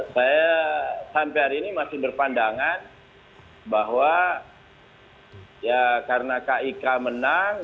saya sampai hari ini masih berpandangan bahwa ya karena kik menang